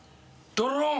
ドローン。